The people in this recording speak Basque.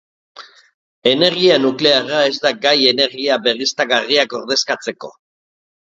Energia nuklearra ez da gai energia berriztagarriak ordezkatzeko.